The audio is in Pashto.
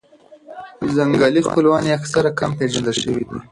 ځنګلي خپلوان یې اکثراً کم پېژندل شوي دي.